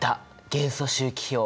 元素周期表。